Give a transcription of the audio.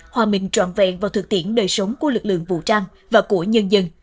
hòa bình trọn vẹn vào thực tiễn đời sống của lực lượng vũ trang và của nhân dân